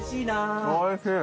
おいしい。